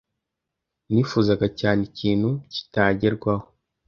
Nifuzaga cyane ikintu kitagerwaho.